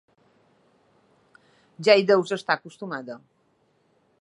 Ja hi deus estar acostumada.